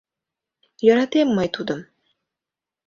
Йӧратем мый тудым.